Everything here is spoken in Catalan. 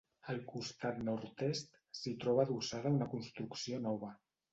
Al costat nord-est s'hi troba adossada una construcció nova.